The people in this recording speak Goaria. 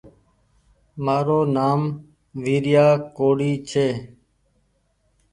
مآرو نآم ويريآ ڪوڙي ڇي